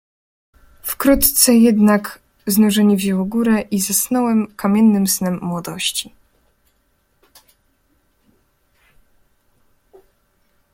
"Wkrótce jednak znużenie wzięło górę i zasnąłem kamiennym snem młodości."